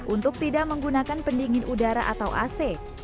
untuk tidak menggunakan pendingin udara atau ac